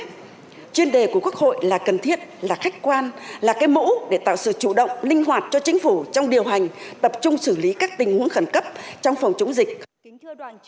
nghị quyết của quốc hội là cần thiết là khách quan là cái mũ để tạo sự chủ động linh hoạt cho chính phủ trong điều hành tập trung xử lý các tình huống khẩn cấp trong phòng chống dịch